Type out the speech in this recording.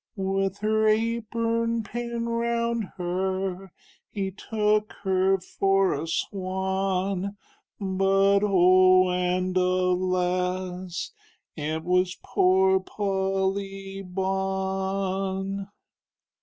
With her apurn pinned round her, He took her for a swan, But oh and a las, it was poor Pol ly Bawn.